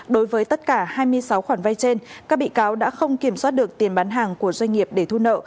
đối với tất cả hai mươi sáu khoản vay trên các bị cáo đã không kiểm soát được tiền bán hàng của doanh nghiệp để thu nợ